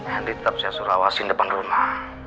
hendi tetap sia sia surawasi di depan rumah